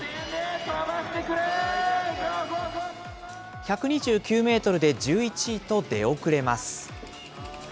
１２９メートルで１１位と出遅れます。